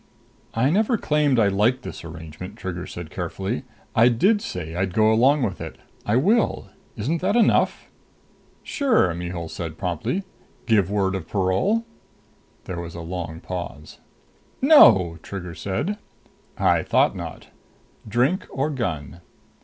"I never claimed I liked this arrangement," Trigger said carefully. "I did say I'd go along with it. I will. Isn't that enough?" "Sure," Mihul said promptly. "Give word of parole?" There was a long pause. "No!" Trigger said. "I thought not. Drink or gun?"